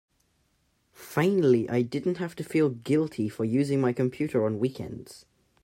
Finally I didn't have to feel guilty for using my computer on weekends.